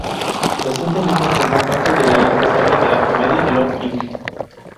Recientemente formó parte del elenco estable de la comedia "Love, Inc.